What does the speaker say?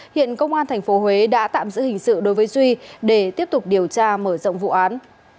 hiện công an tp huế đã tạm giữ hình sự đối với duy để tiếp tục điều tra mở rộng vụ án